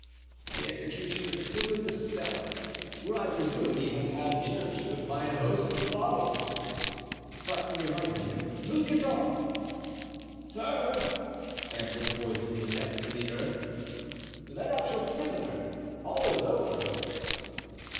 "The executioner is still in the cellar, where, I presume, he has had an interview with mine host's bottles. But you remind me. Mousqueton!" "Sir," answered a voice from the depths of the earth. "Let out your prisoner. All is over."